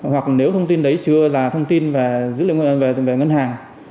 hoặc nếu thông tin đấy chưa là thông tin về dữ liệu về ngân hàng